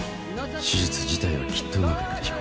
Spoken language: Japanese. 手術自体はきっとうまくいくでしょう。